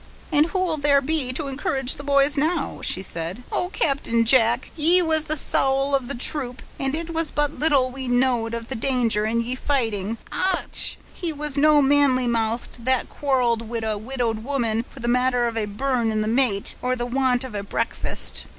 "And who'll there be to encourage the boys now?" she said. "O Captain Jack! ye was the sowl of the troop, and it was but little we knowed of the danger, and ye fighting. Och! he was no maly mouthed, that quarreled wid a widowed woman for the matter of a burn in the mate, or the want of a breakfast.